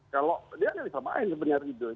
kalau dia nggak bisa main sebenarnya gitu